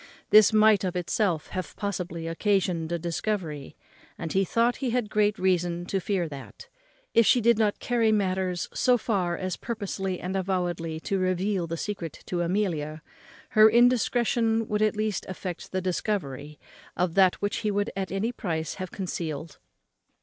This might of itself have possibly occasioned a discovery; and he thought he had great reason to fear that, if she did not carry matters so far as purposely and avowedly to reveal the secret to Amelia, her indiscretion would at least effect the discovery of that which he would at any price have concealed.